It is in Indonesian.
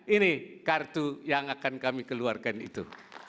ini kartu yang akan kami keluarkan itu